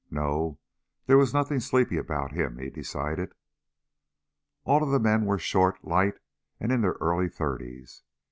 No, there was nothing sleepy about him, he decided. All of the men were short, light, in their early thirties.